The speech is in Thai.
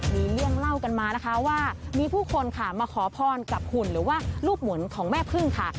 มีเรื่องเล่ากันมานะคะว่ามีผู้คนค่ะมาขอพรกับหุ่นหรือว่าลูกหมุนของแม่พึ่งค่ะ